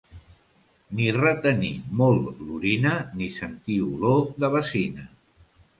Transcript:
Ni retenir molt l'orina ni sentir olor de bacina.